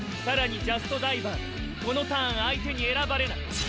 更にジャストダイバーでこのターン相手に選ばれない！